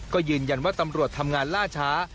ก็ยืนยันว่าตำรวจทำงานล่าช้า